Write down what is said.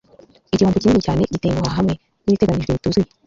igihombo kinini cyane, gutenguha, hamwe n'ibiteganijwe bituzuye ..